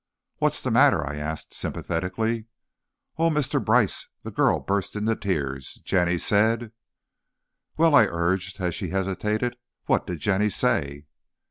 "What's the matter?" I asked, sympathetically. "Oh, Mr. Brice," and the girl burst into tears, "Jenny said " "Well," I urged, as she hesitated, "what did Jenny say?"